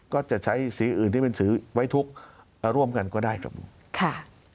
ก็จะใช้สิ่งอื่นที่เป็นสิ่งที่ถือไว้ทุกข์ร่วมกันก็ได้ครับผม